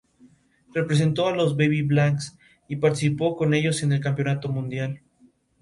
Representó a los Baby Blacks y participó con ellos en el Campeonato Mundial.